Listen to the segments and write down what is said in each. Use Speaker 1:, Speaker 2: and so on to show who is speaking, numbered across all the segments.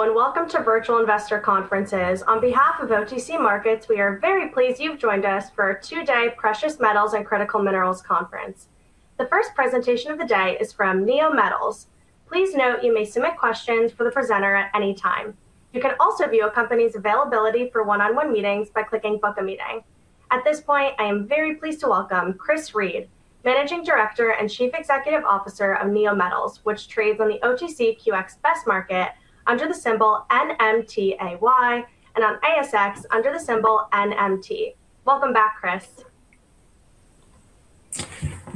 Speaker 1: Hello, welcome to Virtual Investor Conferences. On behalf of OTC Markets, we are very pleased you've joined us for our two-day Precious Metals and Critical Minerals Conference. The first presentation of the day is from Neometals. Please note you may submit questions for the presenter at any time. You can also view a company's availability for one-on-one meetings by clicking Book a Meeting. At this point, I am very pleased to welcome Chris Reed, Managing Director and Chief Executive Officer of Neometals, which trades on the OTCQX Best Market under the symbol NMTAY, and on ASX under the symbol NMT. Welcome back, Chris.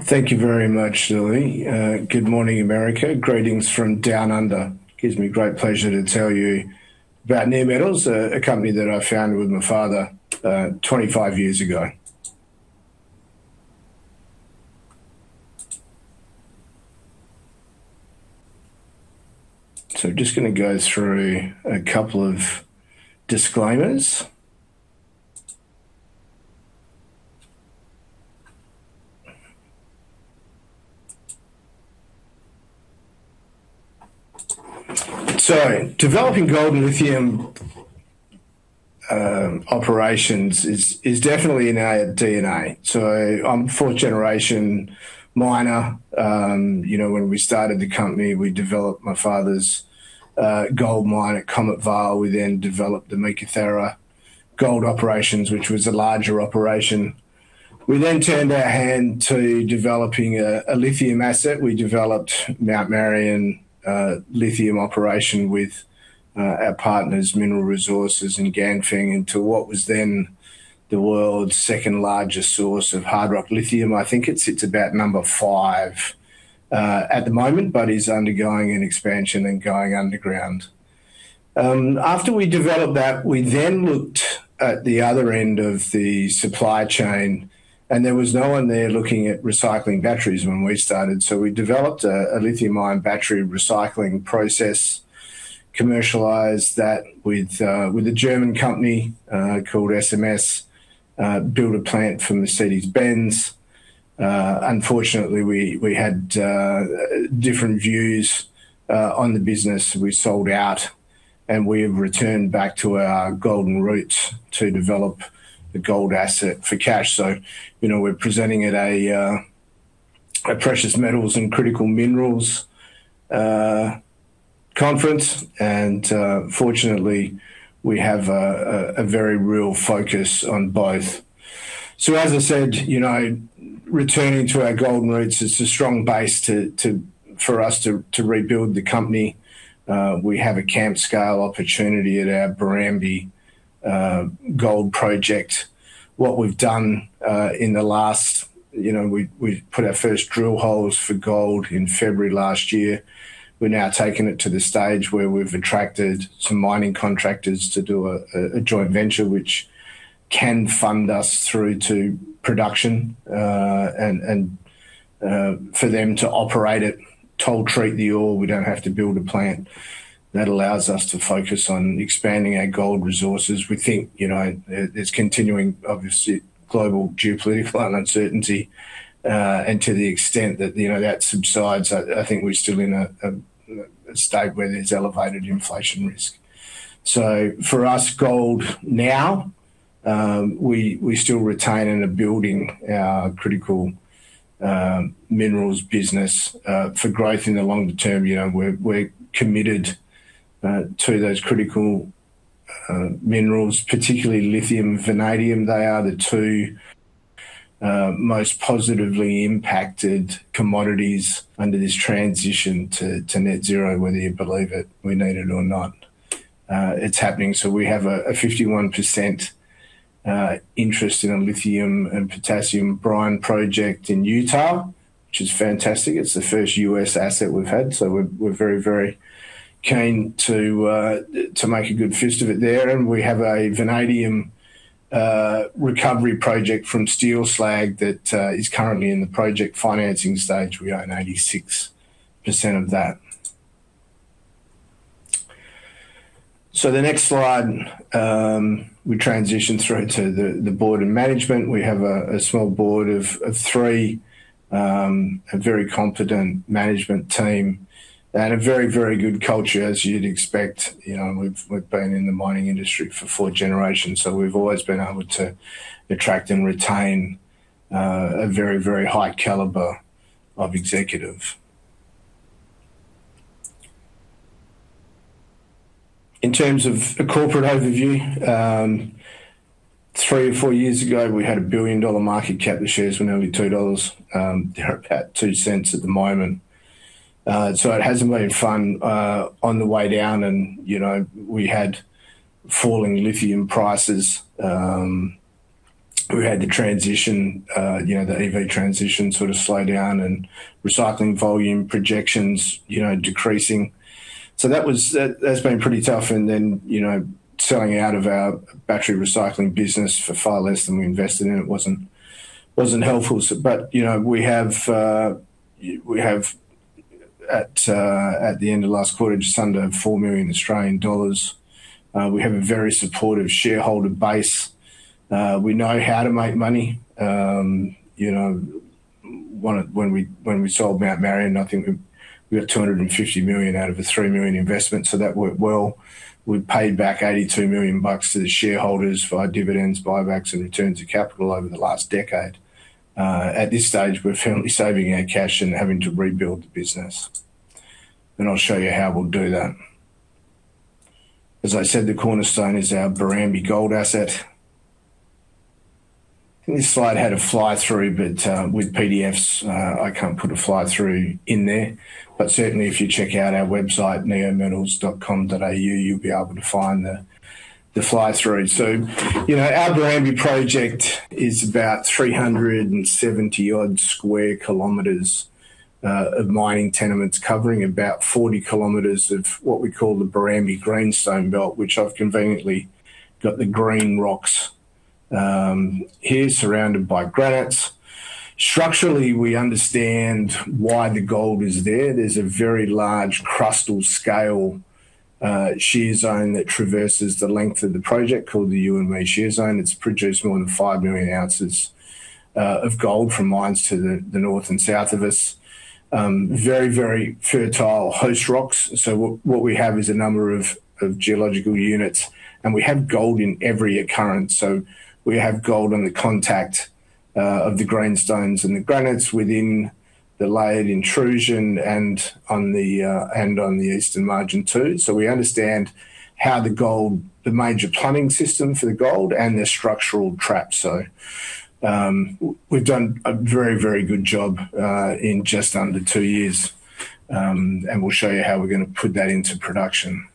Speaker 2: Thank you very much, Lily. Good morning, America. Greetings from Down Under. Gives me great pleasure to tell you about Neometals, a company that I founded with my father 25 years ago. Just going to go through a couple of disclaimers. Developing gold and lithium operations is definitely in our DNA. I'm a fourth-generation miner. When we started the company, we developed my father's gold mine at Comet Vale. We then developed the MacIntyre Gold Operations, which was a larger operation. We then turned our hand to developing a lithium asset. We developed Mount Marion Lithium Operation with our partners, Mineral Resources and Ganfeng into what was then the world's second-largest source of hard rock lithium. I think it sits about number five at the moment, but is undergoing an expansion and going underground. After we developed that, we looked at the other end of the supply chain, there was no one there looking at recycling batteries when we started. We developed a lithium-ion battery recycling process, commercialized that with a German company called SMS. Built a plant for Mercedes-Benz. Unfortunately, we had different views on the business. We sold out, we have returned back to our golden roots to develop the gold asset for cash. We're presenting at a Precious Metals and Critical Minerals Conference, fortunately, we have a very real focus on both. As I said, returning to our gold roots is a strong base for us to rebuild the company. We have a camp-scale opportunity at our Barrambie Gold Project. We put our first drill holes for gold in February last year. We're now taking it to the stage where we've attracted some mining contractors to do a joint venture, which can fund us through to production. For them to operate it, toll treat the ore. We don't have to build a plant. That allows us to focus on expanding our gold resources. We think there's continuing, obviously, global geopolitical uncertainty. To the extent that that subsides, I think we're still in a state where there's elevated inflation risk. For us, gold now. We're still retaining and building our critical minerals business, for growth in the longer term. We're committed to those critical minerals, particularly lithium, vanadium. They are the two most positively impacted commodities under this transition to net zero, whether you believe it, we need it or not. It's happening. We have a 51% interest in a lithium and potassium brine project in Utah, which is fantastic. It's the first U.S. Asset we've had. We're very, very keen to make a good fist of it there. We have a vanadium recovery project from steel slag that is currently in the project financing stage. We own 86% of that. The next slide. We transition through to the board and management. We have a small board of three. A very competent management team. A very, very good culture, as you'd expect. We've been in the mining industry for four generations, so we've always been able to attract and retain a very, very high caliber of executive. In terms of a corporate overview, three or four years ago, we had a billion-dollar market cap. The shares were nearly 2 dollars. They're at 0.02 at the moment. It hasn't been fun on the way down. We had falling lithium prices. We had the transition, the EV transition sort of slow down and recycling volume projections decreasing. That's been pretty tough. Selling out of our battery recycling business for far less than we invested in it wasn't helpful. We have, at the end of last quarter, just under 4 million Australian dollars. We have a very supportive shareholder base. We know how to make money. When we sold Mount Marion, I think we had 250 million out of an 3 million investment, so that went well. We paid back 82 million bucks to the shareholders via dividends, buybacks, and returns of capital over the last decade. At this stage, we're firmly saving our cash and having to rebuild the business. I'll show you how we'll do that. As I said, the cornerstone is our Barrambie gold asset. This slide had a fly-through, but with PDFs, I can't put a fly-through in there. Certainly, if you check out our website, neometals.com.au, you'll be able to find the fly-through. Our Barrambie Project is about 370-odd sq km of mining tenements, covering about 40 km of what we call the Barrambie Greenstone Belt, which I've conveniently got the green rocks here surrounded by granites. Structurally, we understand why the gold is there. There's a very large crustal-scale shear zone that traverses the length of the project, called the Emu Shear Zone. It's produced more than five million ounces of gold from mines to the north and south of us. Very, very fertile host rocks. What we have is a number of geological units. We have gold in every occurrence. We have gold on the contact of the greenstones and the granites within the layered intrusion and on the eastern margin, too. We understand how the major plumbing system for the gold and their structural trap. We've done a very, very good job in just under two years. We'll show you how we're going to put that into production.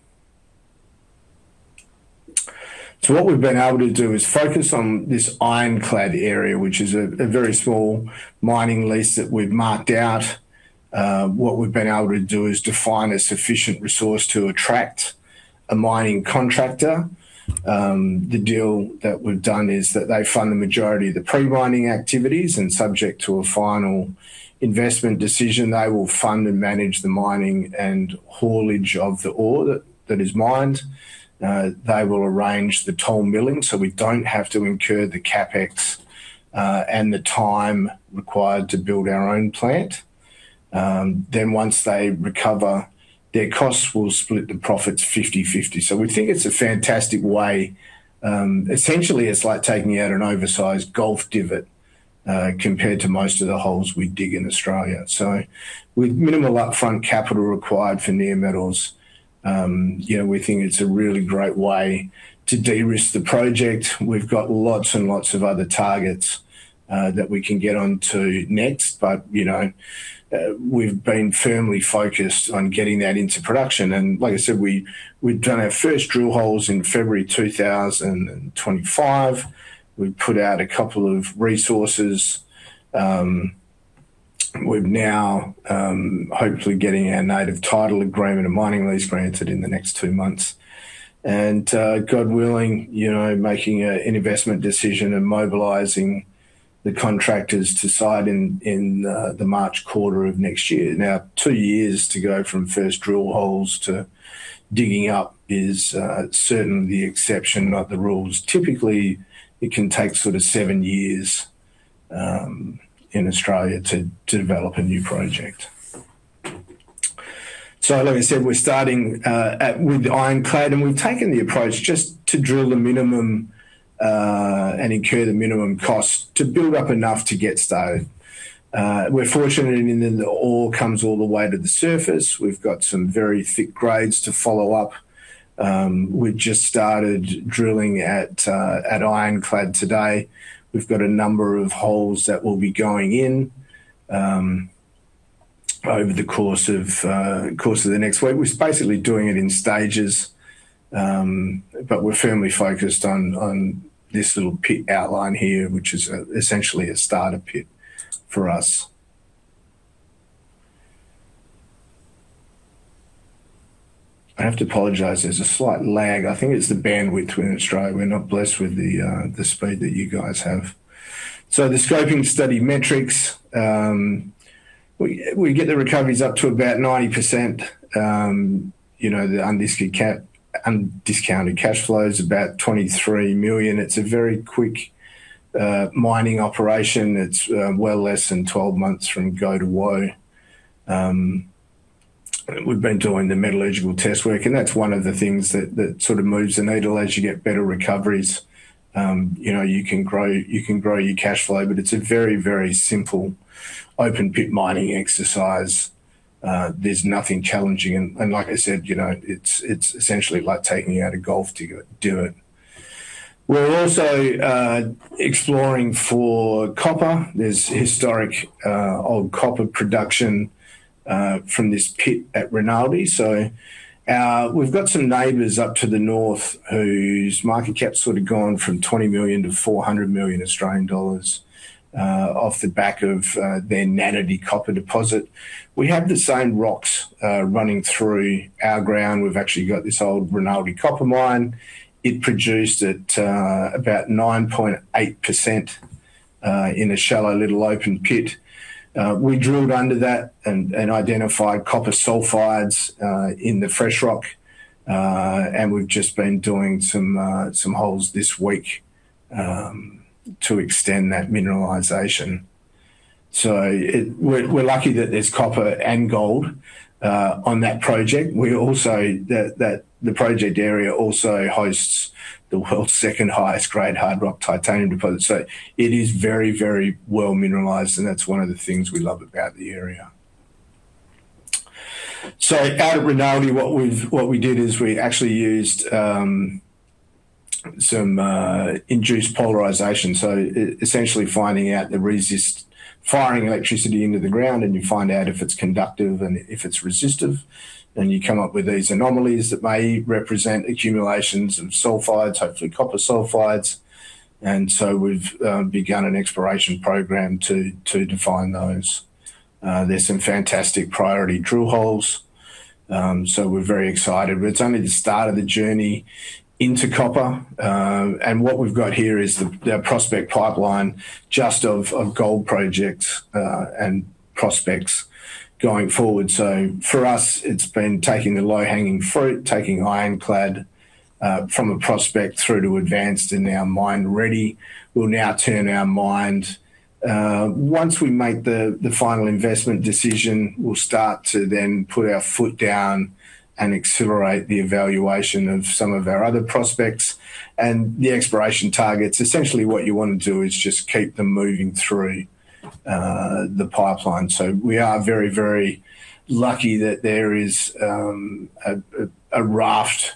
Speaker 2: What we've been able to do is focus on this Ironclad area, which is a very small mining lease that we've marked out. What we've been able to do is define a sufficient resource to attract a mining contractor. The deal that we've done is that they fund the majority of the pre-mining activities and subject to a final investment decision. They will fund and manage the mining and haulage of the ore that is mined. They will arrange the toll milling so we don't have to incur the CapEx, and the time required to build our own plant. Once they recover their costs, we'll split the profits 50/50. We think it's a fantastic way. Essentially, it's like taking out an oversized golf divot, compared to most of the holes we dig in Australia. With minimal upfront capital required for Neometals, we think it's a really great way to de-risk the project. We've got lots and lots of other targets that we can get onto next. We've been firmly focused on getting that into production. Like I said, we've done our first drill holes in February 2025. We've put out a couple of resources. We're now hopefully getting our native title agreement and mining lease granted in the next two months. God willing, making an investment decision and mobilizing the contractors to site in the March quarter of next year. Now, two years to go from first drill holes to digging up is certainly the exception, not the rules. Typically, it can take sort of seven years in Australia to develop a new project. Like I said, we're starting with Ironclad, and we've taken the approach just to drill the minimum, and incur the minimum cost to build up enough to get started. We're fortunate in that the ore comes all the way to the surface. We've got some very thick grades to follow up. We've just started drilling at Ironclad today. We've got a number of holes that will be going in over the course of the next week. We're basically doing it in stages. We're firmly focused on this little pit outline here, which is essentially a starter pit for us. I have to apologize. There's a slight lag. I think it's the bandwidth in Australia. We're not blessed with the speed that you guys have. The scoping study metrics. We get the recoveries up to about 90%. The undiscounted cash flow is about 23 million. It's a very quick mining operation. It's well less than 12 months from go to whoa. We've been doing the metallurgical test work, and that's one of the things that sort of moves the needle as you get better recoveries. You can grow your cash flow, but it's a very, very simple open pit mining exercise. There's nothing challenging. Like I said, it's essentially like taking out a golf divot. We're also exploring for copper. There's historic old copper production from this pit at Rinaldi. We've got some neighbors up to the north whose market cap's sort of gone from 20 million-400 million Australian dollars off the back of their Nannadie Copper Deposit. We have the same rocks running through our ground. We've actually got this old Rinaldi copper mine. It produced at about 9.8% in a shallow little open pit. We drilled under that and identified copper sulfides in the fresh rock. We've just been doing some holes this week to extend that mineralization. We're lucky that there's copper and gold on that project. The project area also hosts the world's second-highest grade hard rock titanium deposit. It is very well-mineralized, and that's one of the things we love about the area. Out at Rinaldi, what we did is we actually used some induced polarization. Essentially firing electricity into the ground, and you find out if it's conductive and if it's resistive. You come up with these anomalies that may represent accumulations of sulfides, hopefully copper sulfides. We've begun an exploration program to define those. There are some fantastic priority drill holes. We're very excited, but it's only the start of the journey into copper. What we've got here is the prospect pipeline just of gold projects and prospects going forward. For us, it's been taking the low-hanging fruit, taking Ironclad from a prospect through to advanced and now mine ready. Once we make the final investment decision, we'll start to then put our foot down and accelerate the evaluation of some of our other prospects and the exploration targets. What you want to do is just keep them moving through the pipeline. We are very lucky that there is a raft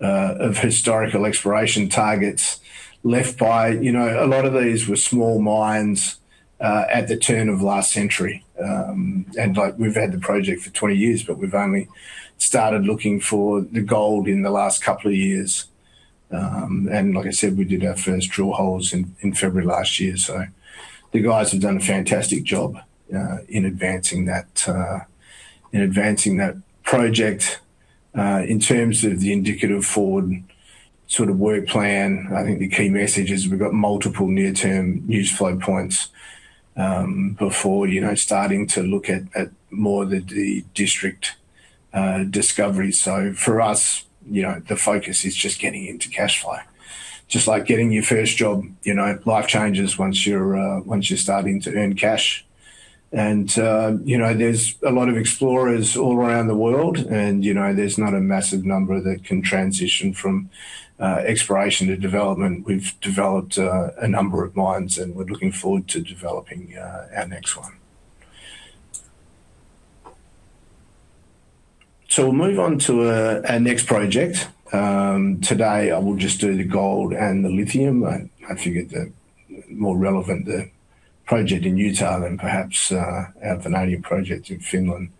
Speaker 2: of historical exploration targets left by. A lot of these were small mines at the turn of last century. We've had the project for 20 years, but we've only started looking for the gold in the last couple of years. Like I said, we did our first drill holes in February last year. The guys have done a fantastic job in advancing that project. In terms of the indicative forward sort of work plan, I think the key message is we've got multiple near-term news flow points before starting to look at more of the district discoveries. For us, the focus is just getting into cash flow. Just like getting your first job, life changes once you're starting to earn cash. There's a lot of explorers all around the world, and there's not a massive number that can transition from exploration to development. We've developed a number of mines, and we're looking forward to developing our next one. We'll move on to our next project. Today, I will just do the gold and the lithium. I figured they're more relevant, the project in Utah than perhaps our Vanadia Project in Finland.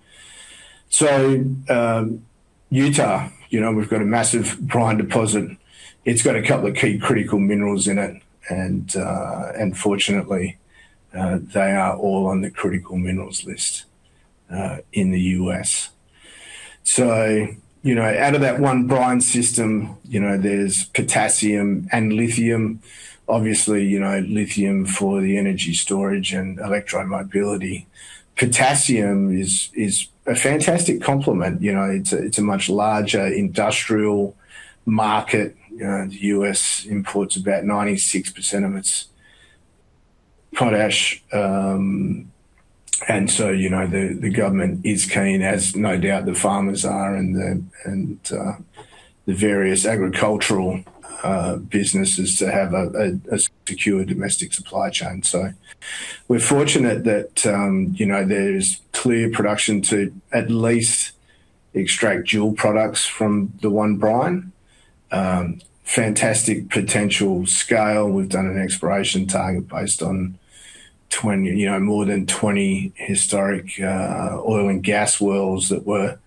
Speaker 2: Utah. We've got a massive brine deposit. It's got a couple of key critical minerals in it, and fortunately, they are all on the critical minerals list in the U.S. Out of that one brine system, there's potassium and lithium. Obviously, lithium for the energy storage and electro-mobility. Potassium is a fantastic complement. It's a much larger industrial market. The U.S. imports about 96% of its potash. The government is keen, as no doubt the farmers are and the various agricultural businesses to have a secure domestic supply chain. We're fortunate that there's clear production to at least extract dual products from the one brine. Fantastic potential scale. We've done an exploration target based on more than 20 historic oil and gas wells that were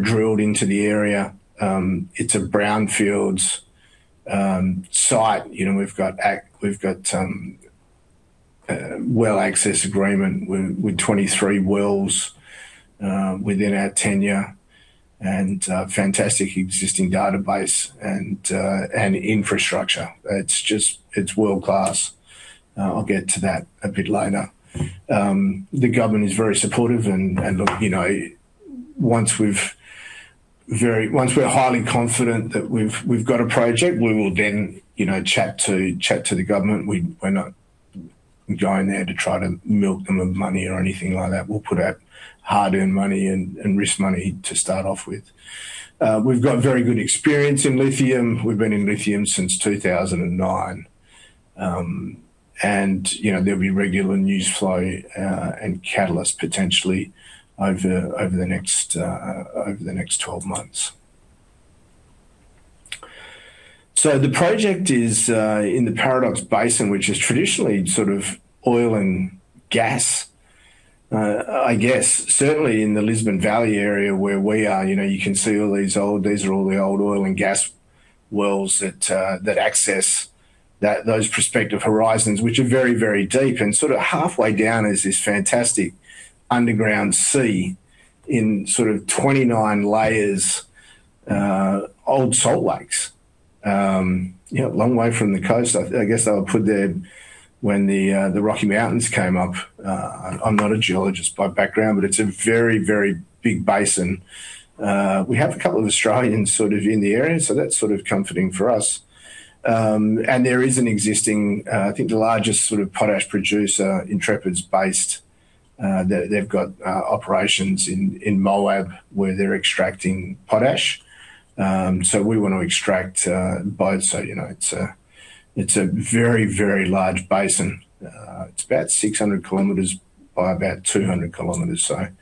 Speaker 2: drilled into the area. It's a brownfields site. We've got well access agreement with 23 wells within our tenure, and a fantastic existing database and infrastructure. It's world-class. I'll get to that a bit later. The government is very supportive, and look, once we're highly confident that we've got a project, we will then chat to the government. We're not going there to try to milk them of money or anything like that. We'll put out hard-earned money and risk money to start off with. We've got very good experience in lithium. We've been in lithium since 2009. There'll be regular news flow, and catalysts potentially over the next 12 months. The project is in the Paradox Basin, which is traditionally oil and gas. Certainly in the Lisbon Valley area where we are, you can see these are all the old oil and gas wells that access those prospective horizons, which are very deep. Halfway down is this fantastic underground sea in 29 layers old salt lakes. Long way from the coast. They were put there when the Rocky Mountains came up. I'm not a geologist by background, it's a very big basin. We have a couple of Australians in the area, that's comforting for us. There is an existing, I think the largest potash producer, Intrepid's based. They've got operations in Moab where they're extracting potash. We want to extract both. It's a very, very large basin. It's about 600 km by 200 km.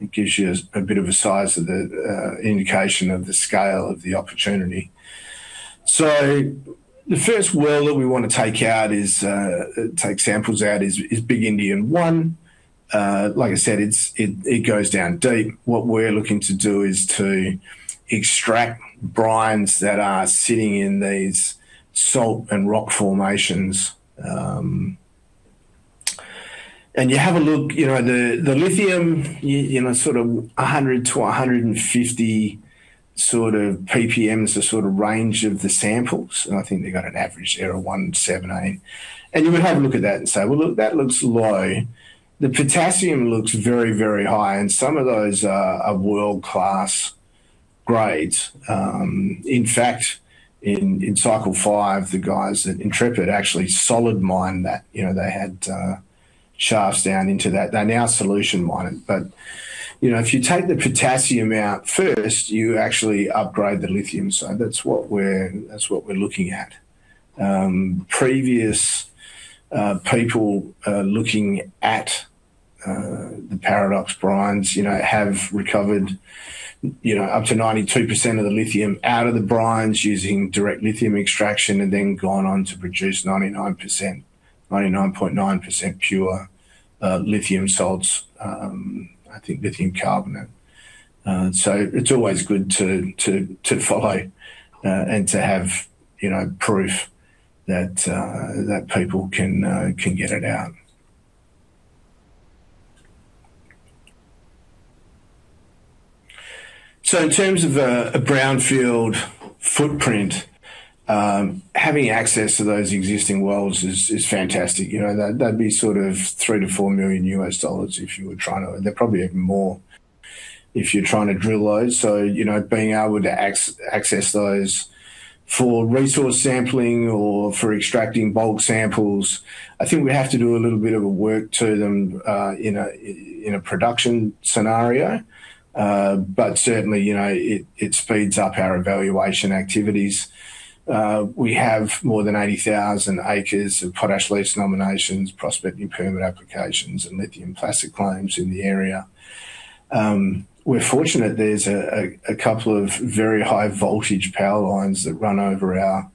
Speaker 2: It gives you a bit of a size of the indication of the scale of the opportunity. The first well that we want to take samples out is Big Indian #1. Like I said, it goes down deep. What we're looking to do is to extract brines that are sitting in these salt and rock formations. You have a look, the lithium, 100-150 PPM is the range of the samples. I think they got an average there of 178. You would have a look at that and say, Look, that looks low. The potassium looks very, very high. Some of those are of world-class grades. In fact, in Cycle 5 the guys at Intrepid actually solid mined that. They had shafts down into that. They now solution mine it. If you take the potassium out first, you actually upgrade the lithium. That's what we're looking at. Previous people looking at the Paradox brines have recovered up to 92% of the lithium out of the brines using direct lithium extraction, then gone on to produce 99.9% pure lithium salts. I think lithium carbonate. It's always good to follow and to have proof that people can get it out. In terms of a brownfield footprint, having access to those existing wells is fantastic. That'd be $3 million-$4 million if you were trying to. They're probably even more if you're trying to drill those. Being able to access those for resource sampling or for extracting bulk samples. I think we have to do a little bit of work to them in a production scenario. Certainly, it speeds up our evaluation activities. We have more than 80,000 acres of potash lease nominations, prospecting permit applications, and lithium claims in the area. We're fortunate there's a couple of very high-voltage power lines that run over our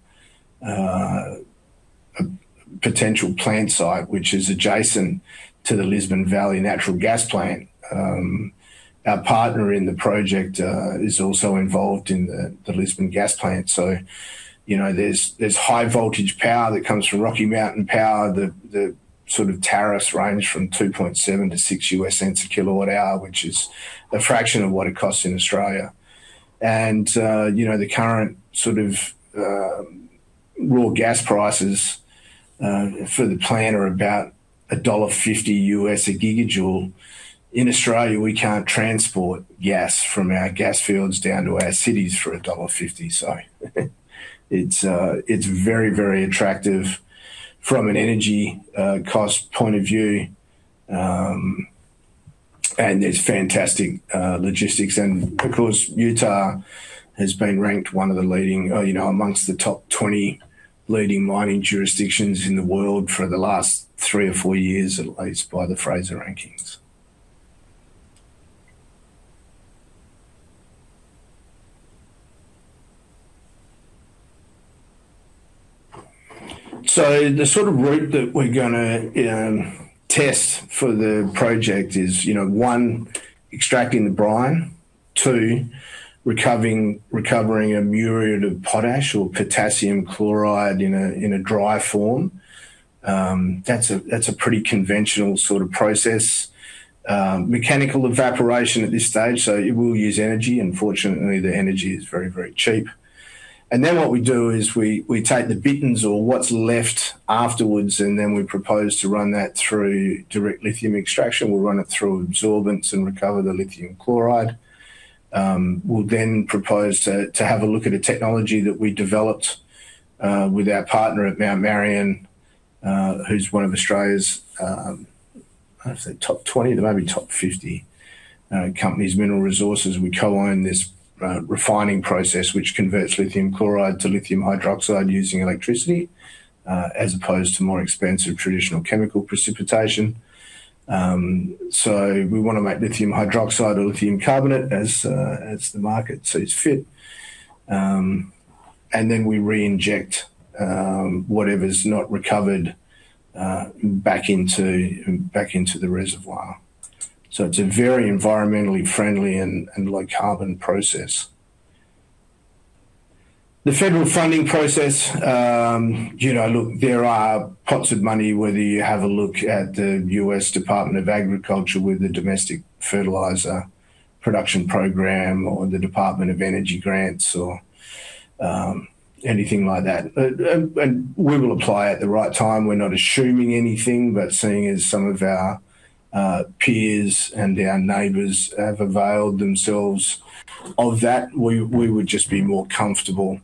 Speaker 2: potential plant site, which is adjacent to the Lisbon Valley Natural Gas Plant. Our partner in the project is also involved in the Lisbon Gas Plant. There's high-voltage power that comes from Rocky Mountain Power. The sort of tariffs range from $0.027-$0.06 a kWh, which is a fraction of what it costs in Australia. The current sort of raw gas prices for the plant are about $1.50 a GJ. In Australia, we can't transport gas from our gas fields down to our cities for $1.50. It's very, very attractive from an energy cost point of view. There's fantastic logistics. Of course, Utah has been ranked one of the leading or amongst the top 20 leading mining jurisdictions in the world for the last three or four years at least by the Fraser rankings. The sort of route that we're going to test for the project is, one, extracting the brine. Two, recovering a muriate of potash or potassium chloride in a dry form. That's a pretty conventional sort of process. Mechanical evaporation at this stage. It will use energy, and fortunately, the energy is very, very cheap. Then what we do is we take the bitterns or what's left afterwards, then we propose to run that through direct lithium extraction. We'll run it through absorbents and recover the lithium chloride. We'll propose to have a look at a technology that we developed with our partner at Mount Marion, who's one of Australia's, I'd say top 20, they may be top 50 companies, Mineral Resources. We co-own this refining process, which converts lithium chloride to lithium hydroxide using electricity, as opposed to more expensive traditional chemical precipitation. We want to make lithium hydroxide or lithium carbonate as the market sees fit. Then we reinject whatever's not recovered back into the reservoir. It's a very environmentally friendly and low carbon process. The federal funding process. Look, there are pots of money, whether you have a look at the U.S. Department of Agriculture with the Domestic Fertilizer Production Program or the Department of Energy grants or anything like that. We will apply at the right time. We're not assuming anything. But seeing as some of our peers and our neighbors have availed themselves of that, we would just be more comfortable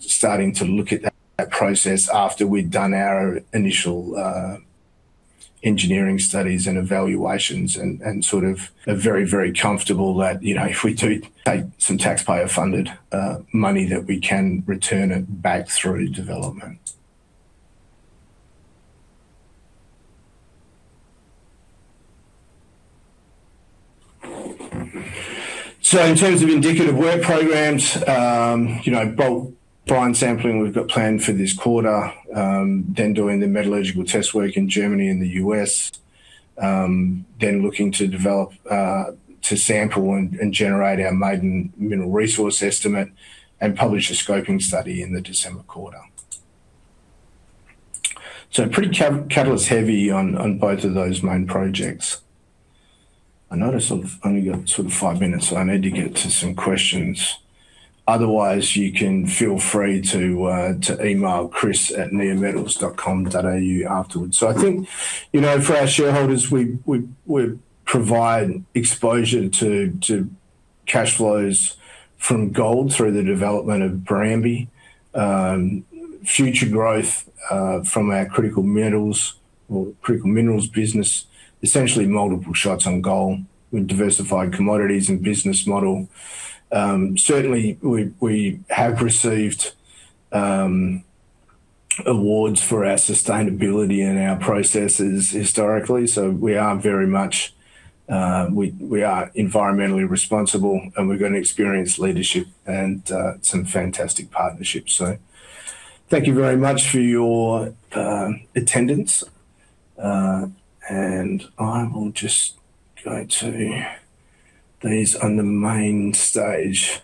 Speaker 2: starting to look at that process after we'd done our initial engineering studies and evaluations and are very, very comfortable that if we do take some taxpayer-funded money, that we can return it back through development. In terms of indicative work programs, bulk brine sampling we've got planned for this quarter, then doing the metallurgical test work in Germany and the U.S. Then looking to sample and generate our maiden mineral resource estimate and publish a scoping study in the December quarter. Pretty catalyst-heavy on both of those main projects. I notice I've only got five minutes, I need to get to some questions. Otherwise, you can feel free to email chris.reed@neometals.com.au afterwards. I think for our shareholders, we provide exposure to cash flows from gold through the development of Barrambie. Future growth from our critical minerals business. Essentially multiple shots on goal with diversified commodities and business model. Certainly, we have received awards for our sustainability and our processes historically. We are very much environmentally responsible, and we're going to experience leadership and some fantastic partnerships. Thank you very much for your attendance. I will just go to these on the main stage.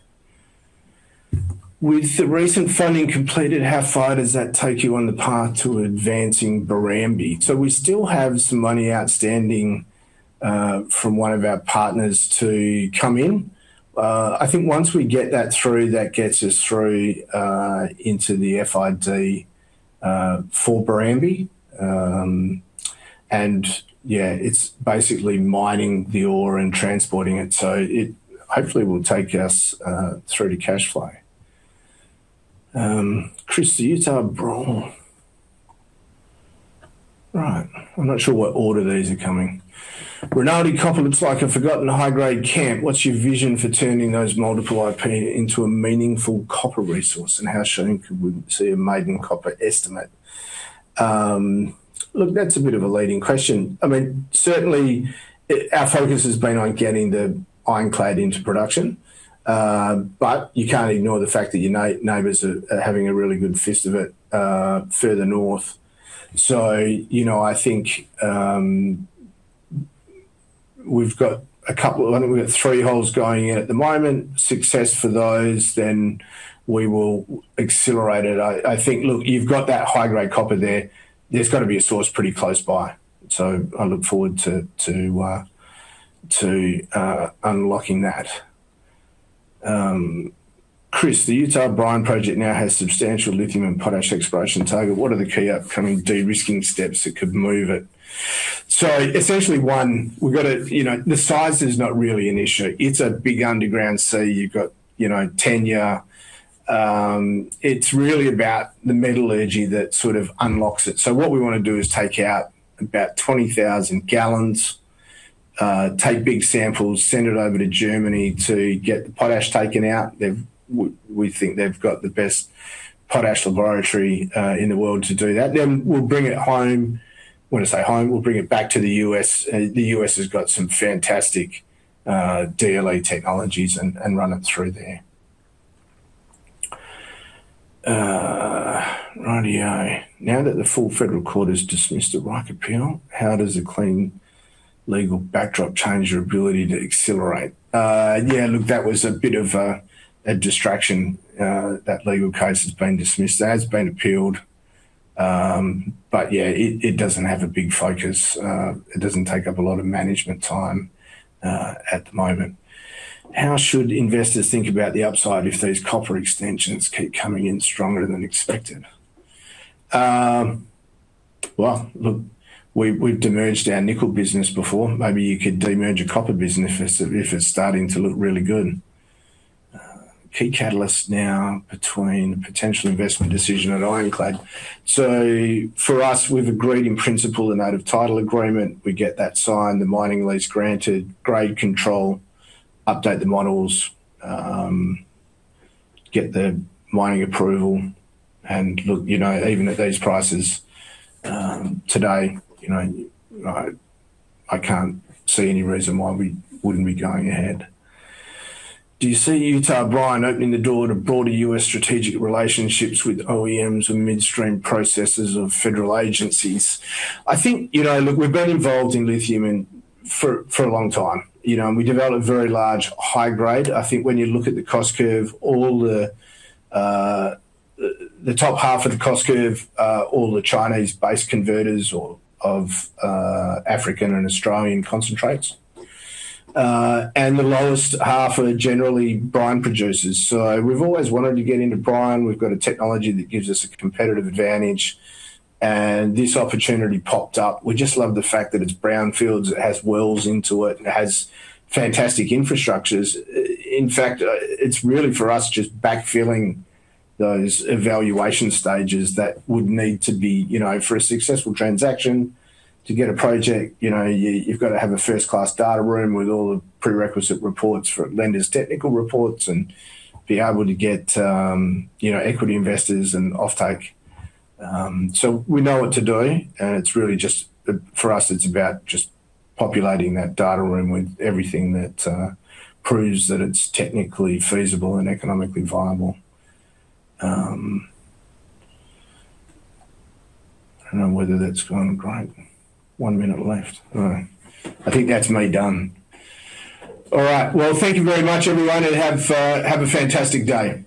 Speaker 2: With the recent funding completed, how far does that take you on the path to advancing Barrambie? We still have some money outstanding from one of our partners to come in. I think once we get that through, that gets us through into the FID for Barrambie. Yeah, it's basically mining the ore and transporting it. It hopefully will take us through to cash flow. Chris, the Utah Brine. Right. I'm not sure what order these are coming. Rinaldi Copper looks like a forgotten high-grade camp. What's your vision for turning those multiple IP into a meaningful copper resource, and how soon could we see a maiden copper estimate? Look, that's a bit of a leading question. Certainly, our focus has been on getting the Ironclad into production. You can't ignore the fact that your neighbors are having a really good fist of it further north. I think we've got three holes going in at the moment. Success for those, then we will accelerate it. I think, look, you've got that high-grade copper there. There's got to be a source pretty close by. I look forward to unlocking that. Chris, the Utah Brine project now has substantial lithium and potash exploration target. What are the key upcoming de-risking steps that could move it? Essentially, one, the size is not really an issue. It's a big underground, you've got tenure. It's really about the metallurgy that sort of unlocks it. What we want to do is take out about 20,000 gallons. Take big samples, send it over to Germany to get the potash taken out. We think they've got the best potash laboratory in the world to do that. We'll bring it home. When I say home, we'll bring it back to the U.S. The U.S. has got some fantastic DLE technologies and run it through there. Righty-ho. Now that the Full Federal Court has dismissed the right appeal, how does a clean legal backdrop change your ability to accelerate? Yeah, look, that was a bit of a distraction. That legal case has been dismissed. It has been appealed. Yeah, it doesn't have a big focus. It doesn't take up a lot of management time at the moment. How should investors think about the upside if these copper extensions keep coming in stronger than expected? Well, look, we've demerged our nickel business before. Maybe you could demerge a copper business if it's starting to look really good. Key catalyst now between potential investment decision and Ironclad. For us, we've agreed in principle an out-of-title agreement. We get that signed, the mining lease granted, grade control, update the models, get the mining approval. Look, even at these prices today, I can't see any reason why we wouldn't be going ahead. Do you see Utah Brine opening the door to broader U.S. strategic relationships with OEMs or midstream processors of federal agencies?" I think, look, we've been involved in lithium for a long time. We developed a very large high grade. I think when you look at the cost curve, all the top half of the cost curve, all the Chinese-based converters of African and Australian concentrates. The lowest half are generally brine producers. We've always wanted to get into brine. We've got a technology that gives us a competitive advantage, and this opportunity popped up. We just love the fact that it's brownfields. It has wells into it. It has fantastic infrastructures. In fact, it's really for us, just backfilling those evaluation stages that would need to be for a successful transaction. To get a project, you've got to have a first-class data room with all the prerequisite reports for lenders, technical reports, and be able to get equity investors and offtake. We know what to do, and for us, it's about just populating that data room with everything that proves that it's technically feasible and economically viable. I don't know whether that's gone great. One minute left. All right. I think that's me done. All right. Thank you very much, everyone, and have a fantastic day.